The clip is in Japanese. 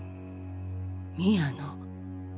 宮野